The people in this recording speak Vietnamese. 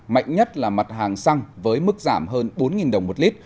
mạnh nhất là mặt hàng xăng với mức giảm hơn bốn đồng một lít